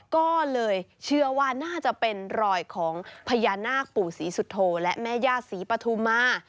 ก็เลยเชื่อว่าน่าจะเป็นรอยของพญานาคปู่ศรีสุโธและแม่ย่าศรีปฐุมา